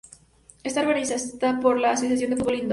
Está organizada por la Asociación de Fútbol Indoor.